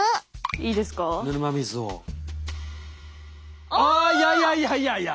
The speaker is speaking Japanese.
いやいやいやいやいや！